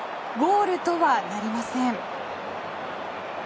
ゴールとはなりません。